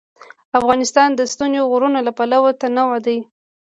افغانستان د ستوني غرونه له پلوه متنوع دی.